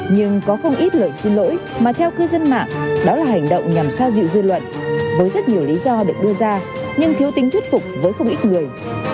nhưng có không ít lời xin lỗi mà theo cư dân mạng đó là hành động nhằm xoa dịu dư luận với rất nhiều lý do được đưa ra nhưng thiếu tính thuyết phục với không ít người